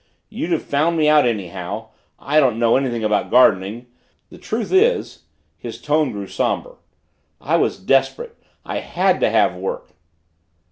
"You'd have found me out anyhow! I don't know anything about gardening. The truth is," his tone grew somber, "I was desperate! I HAD to have work!"